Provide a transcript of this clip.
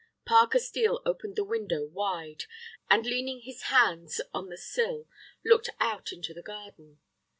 Parker Steel opened the window wide, and leaning his hands on the sill, looked out into the garden.